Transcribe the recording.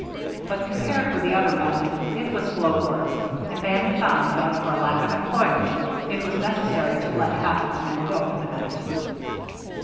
But compared with the other method, it was slow work, and Bannon found that, for lack of employment, it was necessary to let half of the men go for the night.